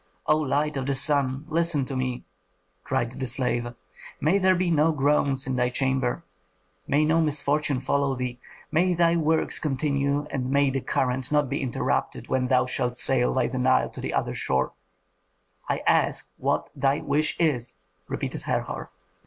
"O light of the sun, listen to me!" cried the slave. "May there be no groans in thy chamber, may no misfortune follow thee! May thy works continue, and may the current not be interrupted when thou shalt sail by the Nile to the other shore " "I ask what thy wish is," repeated Herhor.